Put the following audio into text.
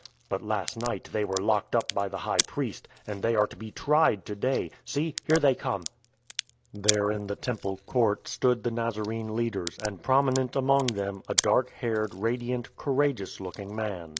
But last night they were locked up by the High Priest, and they are to be tried to day. See, there they come !" There in the Temple court stood the Nazarene leaders, and prominent among them a dark haired, radiant, courageous looking man.